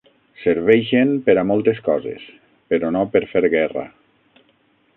Serveixen per a moltes coses, però no per fer guerra.